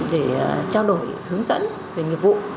để trao đổi hướng dẫn về nghiệp vụ